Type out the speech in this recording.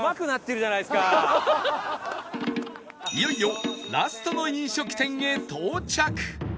いよいよラストの飲食店へ到着